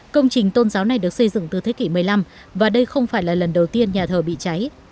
công trình tôn giáo này được xây dựng từ thế kỷ một mươi năm và đây không phải là lần đầu tiên nhà thờ bị cháy